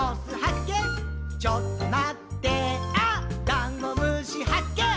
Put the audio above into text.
ダンゴムシはっけん